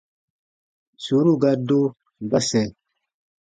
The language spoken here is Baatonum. Sùuru ga do, ga sɛ̃.